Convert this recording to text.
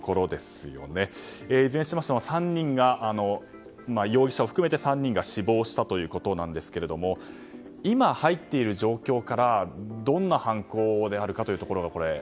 いずれにしましても容疑者を含めて３人が死亡したということですが今、入っている状況からどんな犯行であるかというところが。